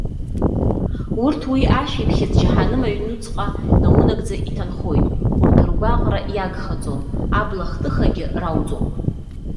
Урҭ уи ашәиԥхьыӡ џьаҳаным аҩныҵҟа наунагӡа иҭанхоит. Урҭ ргәаҟра иагхаӡом, аблахтыхагьы рауӡом.